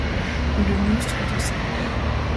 Le monstre de St.